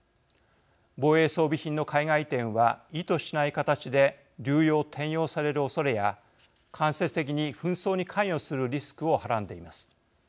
防衛装備品の海外移転は意図しない形で流用・転用されるおそれや間接的に紛争に関与するリスクをはらんでいます。